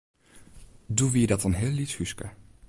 Doe wie dat in heel lyts húske.